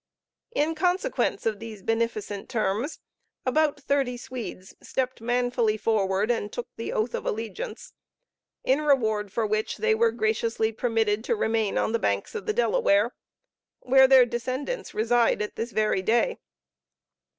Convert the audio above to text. In consequence of these beneficent terms, about thirty Swedes stepped manfully forward and took the oath of allegiance; in reward for which they were graciously permitted to remain on the banks of the Delaware, where their descendants reside at this very day.